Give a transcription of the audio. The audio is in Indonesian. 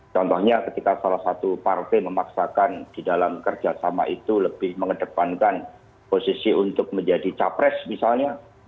contohnya ketika salah satu partai memaksakan di dalam kerjasama itu lebih mengedepankan posisi untuk menjadi capres misalnya